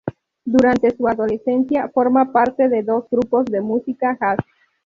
Durante su adolescencia forma parte de dos grupos de música jazz.